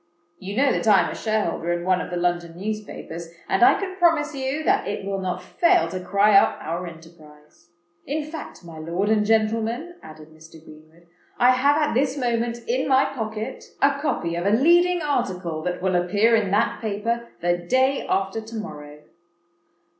You know that I am a shareholder in one of the London newspapers; and I can promise you that it will not fail to cry up our enterprise. In fact, my lord and gentlemen," added Mr. Greenwood, "I have at this moment in my pocket a copy of a leading article—that will appear in that paper, the day after to morrow."